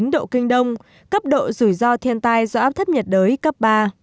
một chín độ kinh đông cấp độ rủi ro thiên tai do áp thấp nhiệt đới cấp ba